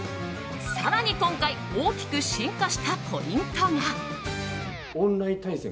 更に今回大きく進化したポイントが。